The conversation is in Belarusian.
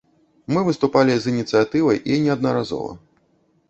Мы выступалі з ініцыятывай і неаднаразова.